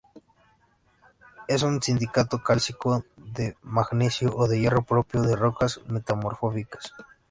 Es un silicato cálcico de magnesio o de hierro propio de rocas metamórficas.